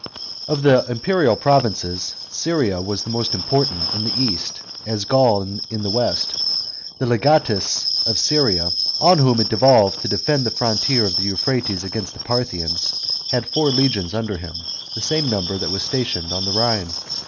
§ 7. Of the imperial provinces, Syria was the most important in the east, as Gaul in the west. The legatus of Syria, on whom it devolved to defend the frontier of the Euphrates against the Parthians, had four legions under him, the same number that was stationed on the Rhine.